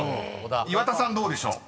［岩田さんどうでしょう？］